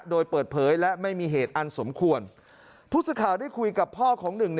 โดยเปิดเผยและไม่มีเหตุอันสมควรผู้สื่อข่าวได้คุยกับพ่อของหนึ่งใน